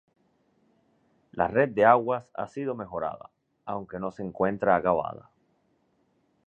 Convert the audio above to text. La red de aguas ha sido mejorada, aunque no se encuentra acabada.